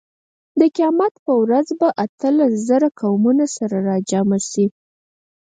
د قیامت په ورځ به اتلس زره قومونه سره راجمع شي.